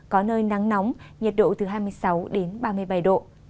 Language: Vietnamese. có nơi nắng nóng nhiệt độ từ hai mươi sáu đến ba mươi bảy độ